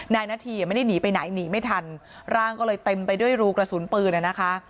นาทีไม่ได้หนีไปไหนหนีไม่ทันร่างก็เลยเต็มไปด้วยรูกระสุนปืนนะคะ